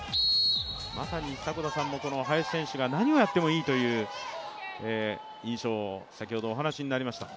まさに迫田さんも林選手が何をやってもいいという印象を先ほどお話しになりました。